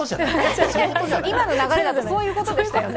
今の流れだとそういうことでしたよね。